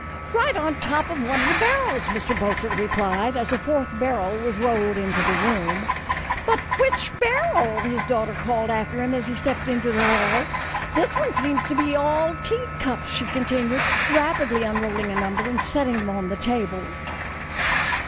" Right on top of one of the barrels," Mr. Beau fort replied, as a fourth barrel was rolled into the room. 228 A FURNISHED COTTAGE BY THE SEA. " But which barrel ?" his daughter called after him as he stepped into the hall. " This one seems to be all teacups," she continued, rapidly unrolling a number and setting them on the table.